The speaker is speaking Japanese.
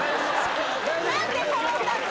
なんで転んだの！